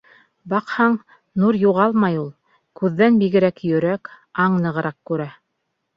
Баҡһаң, нур юғалмай ул. Күҙҙән бигерәк йөрәк, аң нығыраҡ күрә.